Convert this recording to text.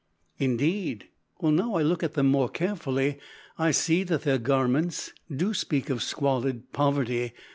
"Indeed! Well, now I look at them more carefully, I see that their garments do speak of squalid poverty.